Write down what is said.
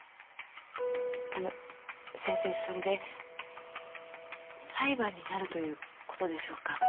あの先生それで裁判になるということでしょうか？